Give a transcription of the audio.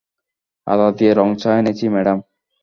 আদা দিয়ে রঙ চা এনেছি, ম্যাডাম?